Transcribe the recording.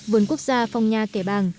vườn quốc gia phong nha kẻ bàng